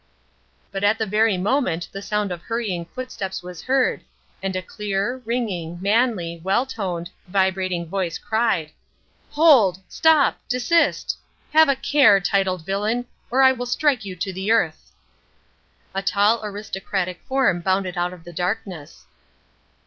But at the very moment the sound of hurrying footsteps was heard, and a clear, ringing, manly, well toned, vibrating voice cried, "Hold! Stop! Desist! Have a care, titled villain, or I will strike you to the earth." A tall aristocratic form bounded out of the darkness.